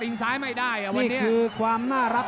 เป็นชีวิตคาร้าย